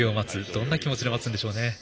どんな気持ちで待つんでしょうね。